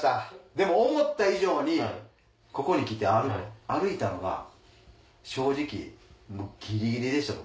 でも思った以上にここに来て歩いたのが正直ギリギリでした僕。